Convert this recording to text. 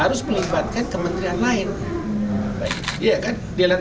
harus melibatkan kementerian lain